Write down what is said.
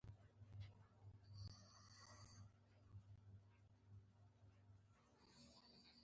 پاس د لمر سترګه وه.